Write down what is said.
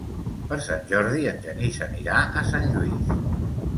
Per Sant Jordi en Genís anirà a Sant Lluís.